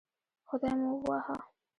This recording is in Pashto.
خدای مو ووهه